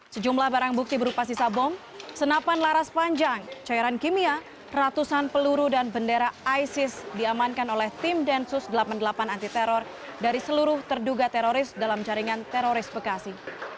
sejumlah barang bukti berupa sisa bom senapan laras panjang cairan kimia ratusan peluru dan bendera isis diamankan oleh tim densus delapan puluh delapan anti teror dari seluruh terduga teroris dalam jaringan teroris bekasi